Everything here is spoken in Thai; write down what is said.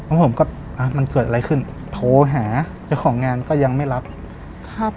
ผมก็อ่ะมันเกิดอะไรขึ้นโทรหาเจ้าของงานก็ยังไม่รับครับ